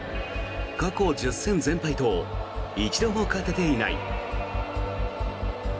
過去１０戦全敗と一度も勝てていない。